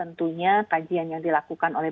tentunya kajian yang dilakukan oleh